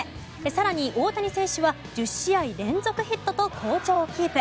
更に、大谷選手は１０試合連続ヒットと好調をキープ。